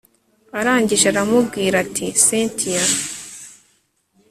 arangije aramubwira ati cyntia